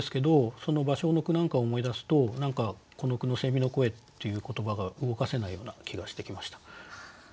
その芭蕉の句なんかを思い出すとこの句の「の声」っていう言葉が動かせないような気がしてきました。